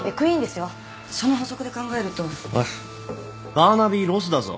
バーナビー・ロスだぞ。